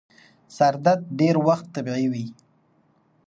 سردرد ډير وخت طبیعي وي.